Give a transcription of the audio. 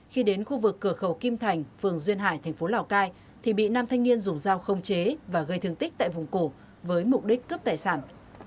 khi đến khu vực cửa khẩu kim thành phường duyên hải thành phố lào cai thì bị nam thanh niên dùng dao không chế và gây thương tích tại vùng cổ với mục đích cướp tài sản